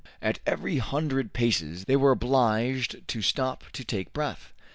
At every hundred paces they were obliged to stop to take breath.